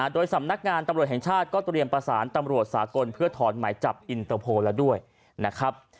โดยสำนักงานตำรวจแห่งชาติก็เตรียมประสานตำรวจสากลเพื่อถอนหมายจับอินเตอร์โพลแล้วด้วยนะครับ